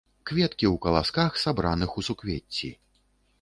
Кветкі ў каласках, сабраных у суквецці.